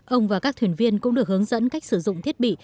ông và các thuyền viên cũng được hướng dẫn cách sử dụng thiết bị